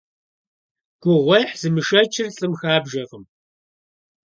Гугъуехь зымышэчыр лӀым хабжэркъым.